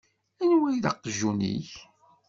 Anwa i d aqjun-ik?